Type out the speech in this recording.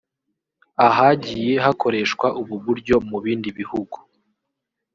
Ahagiye hakoreshwa ubu buryo mu bindi bihugu